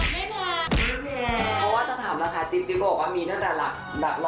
เพราะว่าจะถามนะคะจิ๊บจิ๊บบอกว่ามีตั้งแต่หลักหลอ